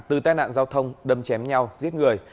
từ tai nạn giao thông đâm chém nhau giết người